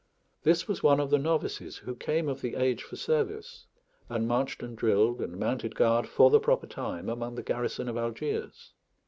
This was one of the novices, who came of the age for service, and marched and drilled and mounted guard for the proper time among the garrison of Algiers.